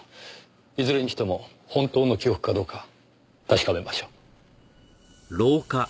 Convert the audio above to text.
いずれにしても本当の記憶かどうか確かめましょう。